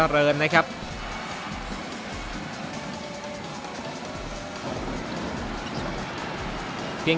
สนามโรงเรียนสมุทรสาคอนวุฒิชัย